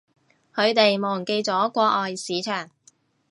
佢哋忘記咗國外市場